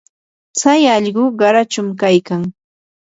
tsay allqu qarachum kaykan.